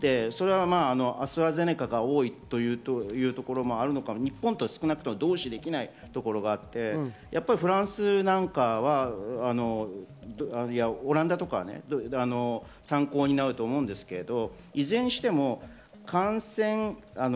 アストラゼネカが多いというところもあるのかもしれませんが、日本とは同視できないところがあって、フランスなんかはオランダとか参考になると思うんですけれども。